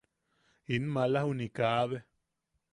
In maala juniʼi kaabe.